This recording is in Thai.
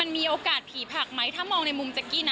มีโอกาสผีผักไหมถ้ามองในมุมแจ๊กกี้นะ